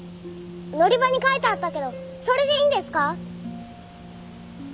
乗り場に書いてあったけどそれでいいんですか？